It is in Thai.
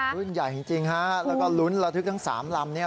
คลื่นใหญ่จริงค่ะแล้วก็ลุ้นเราทึกทั้งสามลำเนี่ย